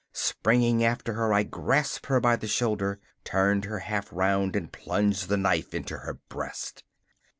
Springing after her, I grasped her by the shoulder, turned her half round and plunged the knife into her breast.